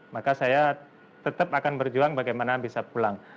maka saya tetap akan berjuang bagaimana bisa pulang